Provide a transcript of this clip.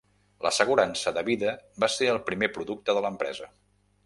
L'assegurança de vida va ser el primer producte de l'empresa.